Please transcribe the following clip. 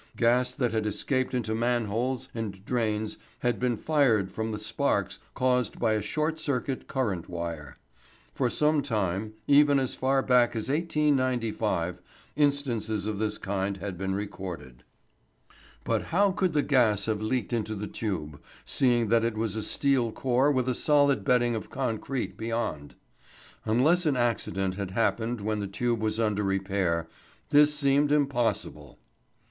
Gas that had escaped into man holes and drains had been fired from the sparks caused by a short circuit current wire. For some time, even as far back as 1895, instances of this kind had been recorded. But how could the gas have leaked into the tube, seeing that it was a steel core with a solid bedding of concrete beyond? Unless an accident had happened when the tube was under repair, this seemed impossible.